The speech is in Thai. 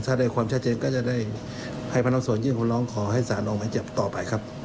ถ้าได้ความชัดเจนก็จะได้ให้พนักส่วนยื่นคำร้องขอให้สารออกหมายจับต่อไปครับ